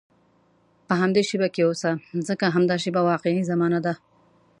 په همدې شېبه کې اوسه، ځکه همدا شېبه واقعي زمانه ده.